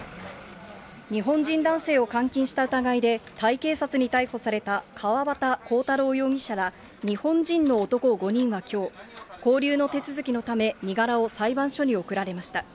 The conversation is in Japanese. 日本人男性を監禁した疑いで、タイ警察に逮捕された川端浩太郎容疑者ら日本人の男５人はきょう、勾留の手続きのため、身柄を裁判所に送られました。